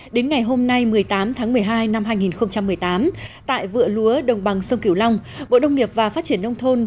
đến ngày hôm nay một mươi tám tháng một mươi hai năm hai nghìn một mươi tám tại vựa lúa đồng bằng sông kiểu long bộ đông nghiệp và phát triển nông thôn